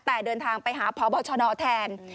แต่เดินทางไปหาพบชนแทน